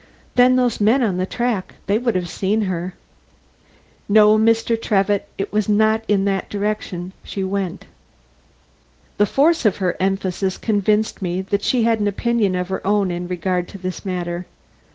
Then those men on the track, they would have seen her. No, Mr. Trevitt, it was not in that direction she went." The force of her emphasis convinced me that she had an opinion of her own in regard to this matter.